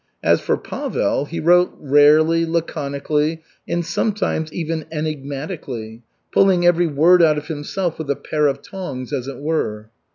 As for Pavel, he wrote rarely, laconically, and sometimes even enigmatically, pulling every word out of himself with a pair of tongs, as it were.